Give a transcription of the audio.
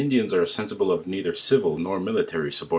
dians are sensible of neither civil or military subor.